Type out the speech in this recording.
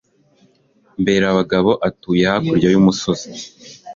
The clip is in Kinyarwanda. Mberabagabo atuye hakurya yumusozi.